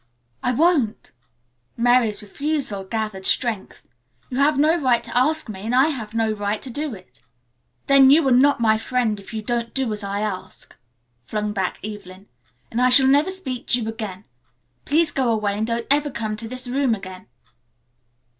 "I won't," Mary refusal gathered strength. "You have no right to ask me and I have no right to do it." "Then you are not my friend if you don't do as I ask," flung back Evelyn, "and I shall never speak to you again. Please go away and don't ever come to this room again."